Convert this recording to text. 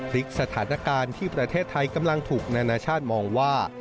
พลิกสถานการณ์ที่ประเทศไทยกำลังถูกนานาชาติมองว่า